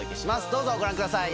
どうぞご覧ください